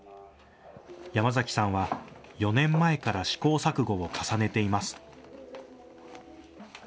山崎さんは４年前から試行錯誤を重ねています。